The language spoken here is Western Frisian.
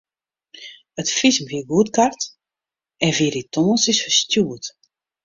It fisum wie goedkard en wie dy tongersdeis ferstjoerd.